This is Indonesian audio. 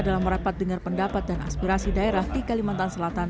dalam rapat dengar pendapat dan aspirasi daerah di kalimantan selatan